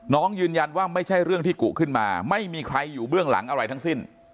น้องยืนยันว่าไม่ใช่เรื่องที่กุขึ้นมาไม่มีใครอยู่เบื้องหลังอะไรทั้งสิ้น